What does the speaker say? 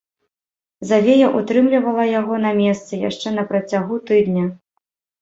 Завея ўтрымлівала яго на месцы яшчэ на працягу тыдня.